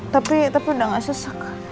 tapi udah gak sesak